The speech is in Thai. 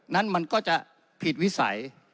นั้นมันก็จะผิดวิสัย